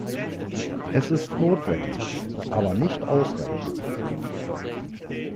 Es ist notwendig, aber nicht ausreichend.